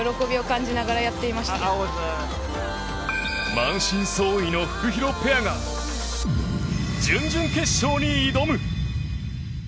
満身創痍のフクヒロペアが準々決勝に挑む！